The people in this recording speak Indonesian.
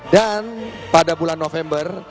dan pada bulan november